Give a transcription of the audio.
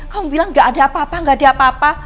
kamu bilang gak ada apa apa nggak ada apa apa